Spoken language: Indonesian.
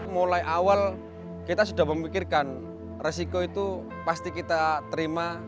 mulai awal kita sudah memikirkan resiko itu pasti kita terima